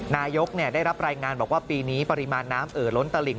นายกได้รับรายงานบอกว่าปีนี้ปริมาณน้ำเอ่อล้นตลิ่ง